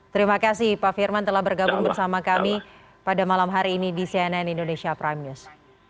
terima kasih pak firman telah bergabung bersama kami pada malam hari ini di cnn indonesia prime news